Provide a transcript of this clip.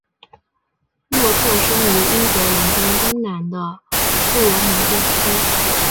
洛特生于英国伦敦东南的布罗姆利区。